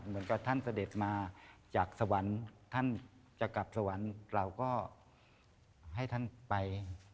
เหมือนกับท่านเสด็จมาจากสวรรค์ท่านจะกลับสวรรค์เราก็ให้ท่านไป